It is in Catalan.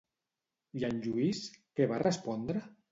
I en Lluís què va respondre?